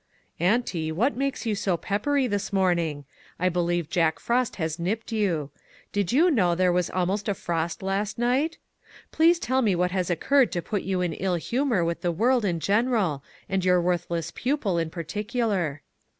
" Auntie, what makes you so peppery this morning? I believe Jack Frost has nipped you. Did you know there was almost a frost last night? Please tell me what has occurred to put you in ill humor with the world in general, and your worthless pupil in partic ular?"